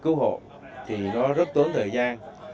cứu hộ thì nó rất tốn thời gian